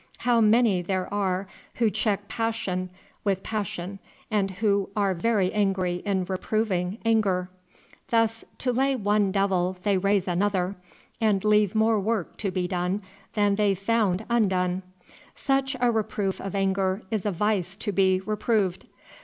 How many there are who check passion with passion, and are very angry in reproving anger! Thus to lay one devil they raise another, and leave more work to be done than they found undone. Such a reproof of anger is a vice to be reproved.